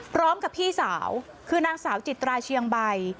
พร้อมกับพี่สาวคือนางสาวจิตราเชียงใบ